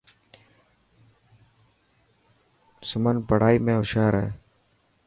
سمن پڙهائي ۾ هوشيار هي.